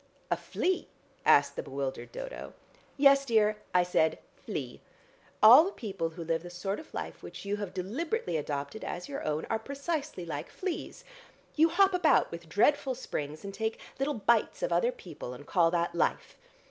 "A flea?" asked the bewildered Dodo. "Yes, dear, I said 'flea.' All the people who live the sort of life which you have deliberately adopted as your own, are precisely like fleas. You hop about with dreadful springs, and take little bites of other people, and call that life.